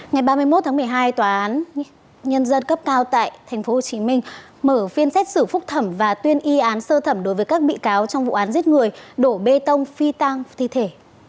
ngày ba mươi một tháng một mươi hai tòa án nhân dân cấp cao tại tp hcm mở phiên xét xử phúc thẩm và tuyên y án sơ thẩm đối với các bị cáo trong vụ án giết người đổ bê tông phi tang thi thể